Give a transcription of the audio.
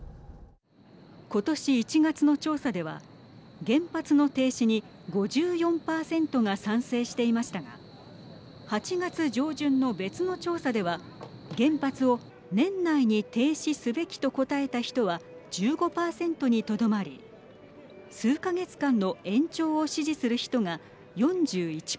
今年１月の調査では原発の停止に５４％が賛成していましたが８月上旬の別の調査では原発を年内に停止すべきと答えた人は１５％にとどまり数か月間の延長を支持する人が４１％。